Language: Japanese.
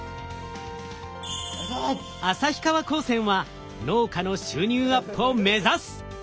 旭川高専は農家の収入アップを目指す！